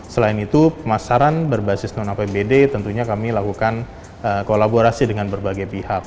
selain itu pemasaran berbasis non apbd tentunya kami lakukan kolaborasi dengan berbagai pihak